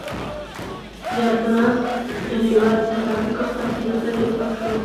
د امبولانس ډرېور د ترافیکو خلاصېدو ته ډېر خوښ شو.